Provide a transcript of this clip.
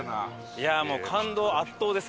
いやもう感動圧倒です。